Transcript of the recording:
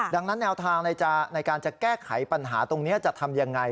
ดังนั้นแนวทางในการจะแก้ไขปัญหาตรงนี้จะทำยังไง